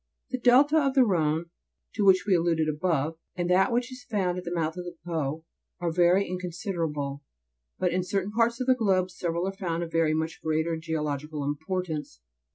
20. The delta of the Rhone, to which we alluded above, and that which is found at the mouth of the Po, are very inconsider able ; but, in certain parts of the globe, several are found of very much greater geological importance.